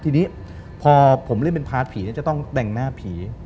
ทีนี้พอผมเล่นเป็นพาร์ทผีจะต้องแต่งหน้าผี